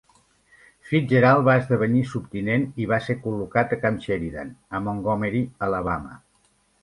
Fitzgerald va esdevenir subtinent i va ser col·locat a Camp Sheridan, a Montgomery, Alabama.